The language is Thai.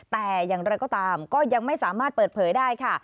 แต่อย่างไรก็ตามก็ยังไม่สามารถเปิดเผยได้ค่ะ